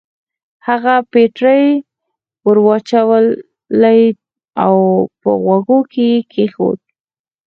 هغه بېټرۍ ور واچولې او په غوږو کې يې کېښوده.